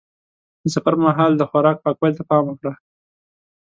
د سفر پر مهال د خوراک پاکوالي ته پام وکړه.